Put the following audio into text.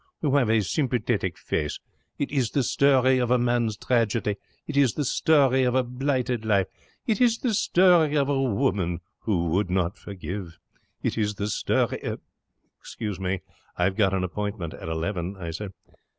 You have a sympathetic face. It is the story of a man's tragedy. It is the story of a blighted life. It is the story of a woman who would not forgive. It is the story ' 'I've got an appointment at eleven,' I said.